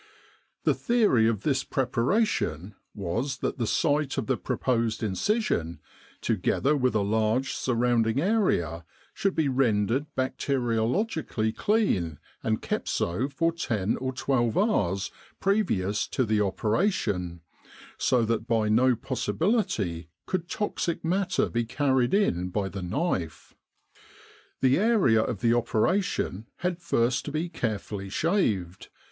The theory of this preparation was that the site of the proposed incision, together with a large surrounding area, should be rendered bacteriologically clean and kept so for ten or twelve hours previous to the operation, so that by no possibility could toxic matter be carried in by the knife. The area of the operation had first to be carefully shaved.